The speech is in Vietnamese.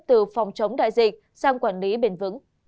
từ phòng chống đại dịch sang quản lý bền vững